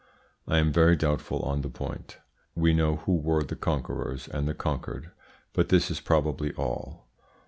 I am very doubtful on the point. We know who were the conquerors and the conquered, but this is probably all.